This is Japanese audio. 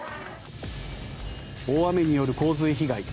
大雨による洪水被害。